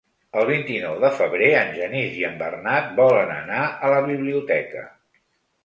El vint-i-nou de febrer en Genís i en Bernat volen anar a la biblioteca.